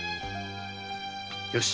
よし！